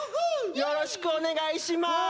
よろしくお願いします。